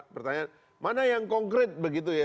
pertanyaan mana yang konkret begitu ya